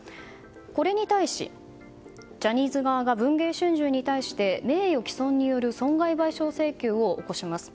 これに対し、ジャニーズ側が文藝春秋に対して名誉毀損による損害賠償請求を起こします。